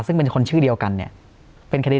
ซึ่งเป็นคนชื่อเดียวกันเนี่ย